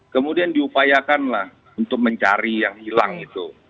kemudian diupayakan lah untuk mencari yang hilang itu